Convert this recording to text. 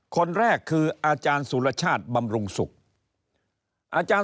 คนแรกคืออาจารย์สุรชาติบำรุงศุกร์อาจารย์